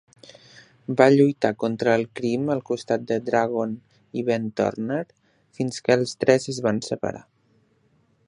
Va lluitar contra el crim al costat de Dragon i Ben Turner fins que els tres es van separar.